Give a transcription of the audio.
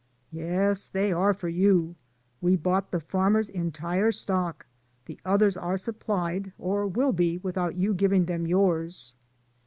"Yes; they are for you, we bought the farmer's entire stock ; the others are supplied, or will be without you giving them yours."